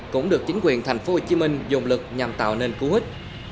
cũng được chính quyền thành phố hồ chí minh dùng lực nhằm tạo nên cú hít